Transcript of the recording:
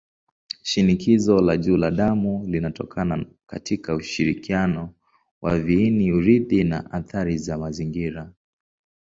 Shinikizo la juu la damu linatokana katika ushirikiano wa viini-urithi na athari za mazingira.